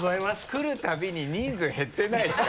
来るたびに人数減ってないですか？